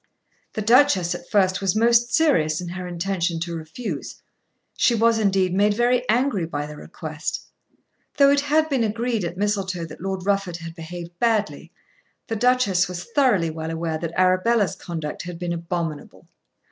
The Duchess at first was most serious in her intention to refuse. She was indeed made very angry by the request. Though it had been agreed at Mistletoe that Lord Rufford had behaved badly, the Duchess was thoroughly well aware that Arabella's conduct had been abominable.